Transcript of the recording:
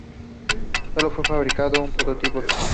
Sólo fue fabricado un prototipo.